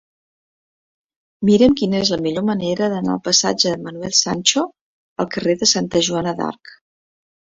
Mira'm quina és la millor manera d'anar del passatge de Manuel Sancho al carrer de Santa Joana d'Arc.